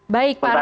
baik pak rahmat